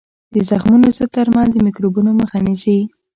د زخمونو ضد درمل د میکروبونو مخه نیسي.